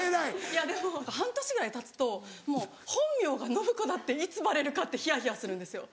いやでも半年ぐらいたつともう本名が暢子だっていつバレるかってひやひやするんですよ。